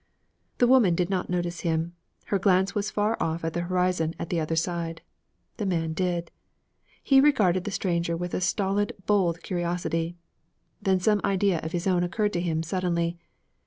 The woman did not notice him. Her glance was far off at the horizon at the other side. The man did. He regarded the stranger with a stolid bold curiosity. Then some idea of his own occurred to him, suddenly.